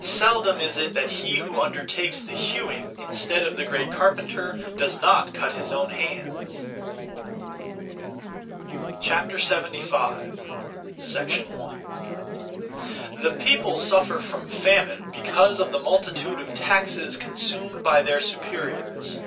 Seldom is it that he who undertakes the hewing, instead of the great carpenter, does not cut his own hands! 75. 1. The people suffer from famine because of the multitude of taxes consumed by their superiors.